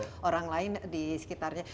dan orang lain di sekitarnya